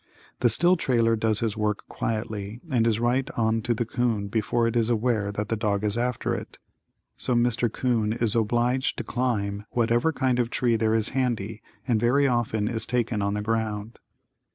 The still trailer does his work quietly and is right on to the 'coon before it is aware that the dog is after it. So Mr. 'Coon is obliged to climb whatever kind of a tree there is handy and very often is taken on the ground.